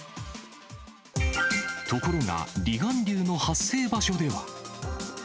ところが、離岸流の発生場所では。